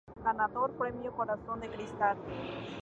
Ganador Premio Corazón de Cristal.